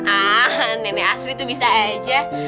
ah nenek asli itu bisa aja